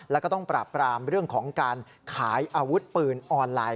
แล้วก็ต้องปราบปรามเรื่องของการขายอาวุธปืนออนไลน์